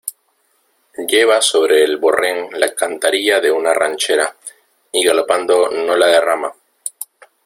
lleva sobre el borrén la cantarilla de una ranchera, y galopando no la derrama.